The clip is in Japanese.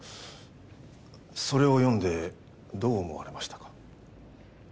それを読んでどう思われましたか？